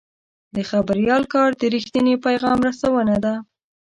د خبریال کار د رښتیني پیغام رسونه ده.